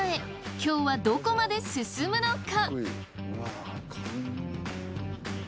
今日はどこまで進むのか。